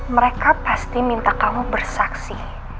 mereka pasti minta kamu bersaksi